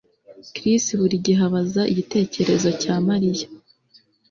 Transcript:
Chris buri gihe abaza igitekerezo cya Mariya